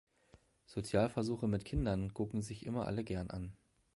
Sozialversuche mit Kindern gucken sich immer alle gern an.